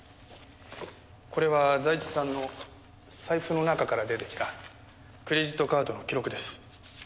これは財津さんの財布の中から出てきたクレジットカードの記録です。